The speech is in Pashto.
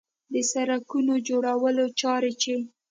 د سړکونو جوړولو چارې چې